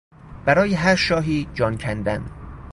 برای هر شاهی جان کندن